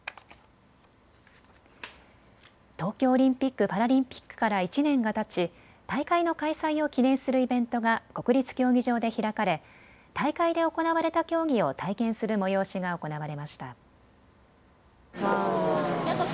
東京オリンピック・パラリンピックから１年がたち大会の開催を記念するイベントが国立競技場で開かれ大会で行われた競技を体験する催しが行われました。